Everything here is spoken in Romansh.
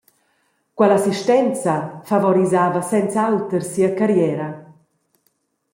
Quell’assistenza favorisava senz’auter sia carriera.